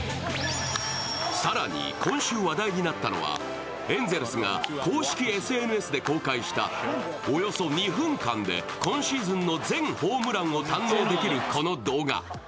更に今週話題になったのは、エンゼルスが公式ＳＮＳで公開したおよそ２分間で今シーズンの全ホームランを堪能できるこの動画。